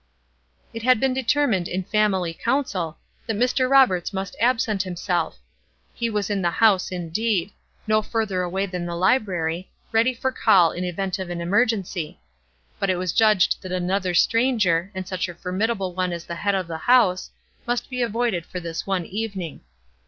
It had been determined in family council that Mr. Roberts must absent himself. He was in the house, indeed no further away than the library, ready for call in event of an emergency; but it was judged that another stranger, and such a formidable one as the head of the house, must be avoided for this one evening.